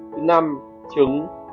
thứ năm trứng